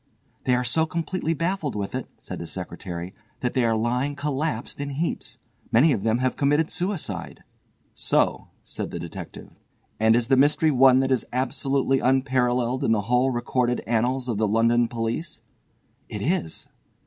"They are so completely baffled with it," said the secretary, "that they are lying collapsed in heaps; many of them have committed suicide." "So," said the detective, "and is the mystery one that is absolutely unparalleled in the whole recorded annals of the London police?" "It is."